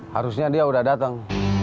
harusnya dia udah datang